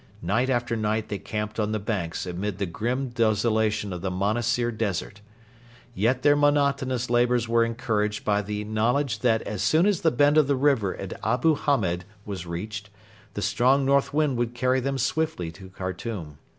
Night after night they camped on the banks amid the grim desolation of the Monassir Desert. Yet their monotonous labours were encouraged by the knowledge that as soon as the bend of the river at Abu Hamed was reached the strong north wind would carry them swiftly to Khartoum.